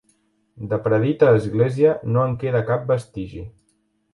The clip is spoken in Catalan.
De predita església no en queda cap vestigi.